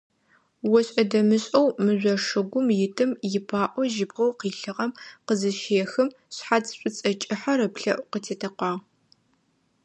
Ошӏэ-дэмышӏэу мыжъо шыгум итым ипаӏо жьыбгъэу къилъыгъэм къызыщехым, шъхьац шӏуцӏэ кӏыхьэр ыплӏэӏу къытетэкъуагъ.